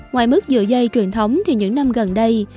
ngoài mức dừa dây truyền thống thì những năm gần đây